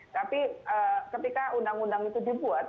tapi ketika undang undang itu dibuat